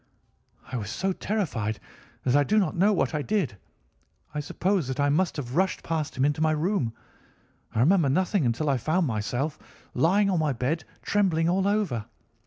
"I was so terrified that I do not know what I did. I suppose that I must have rushed past him into my room. I remember nothing until I found myself lying on my bed trembling all over.